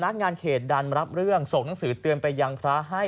งานเขตดันรับเรื่องส่งหนังสือเตือนไปยังพระให้